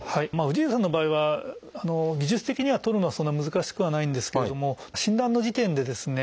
氏家さんの場合は技術的にはとるのはそんな難しくはないんですけれども診断の時点でですね